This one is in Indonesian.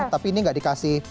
tapi ini enggak dikasih